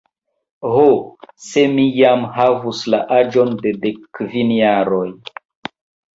Ho, se mi jam havus la aĝon de dekkvin jaroj!